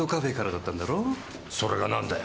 それがなんだよ。